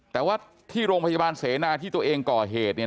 แต่ว่าที่โรงพยาบาลเสนาที่ตัวเองก่อเหตุเนี่ย